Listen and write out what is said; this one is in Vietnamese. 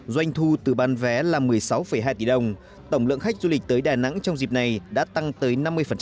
doanh thu từ bán vé là một mươi sáu hai tỷ đồng tổng lượng khách du lịch tới đà nẵng trong dịp này đã tăng tới năm mươi